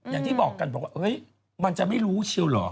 อย่างที่บอกกันบอกว่ามันจะไม่รู้เชียวเหรอ